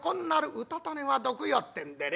『うたた寝は毒よ』ってんでね